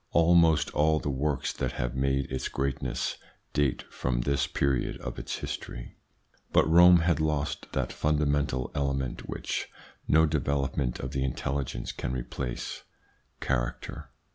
Almost all the works that have made its greatness date from this period of its history. But Rome had lost that fundamental element which no development of the intelligence can replace : character.